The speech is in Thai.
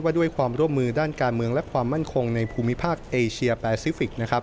ด้วยความร่วมมือด้านการเมืองและความมั่นคงในภูมิภาคเอเชียแปซิฟิกนะครับ